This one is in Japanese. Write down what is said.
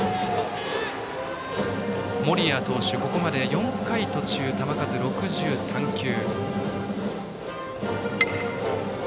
森谷投手、ここまで４回途中球数６３球。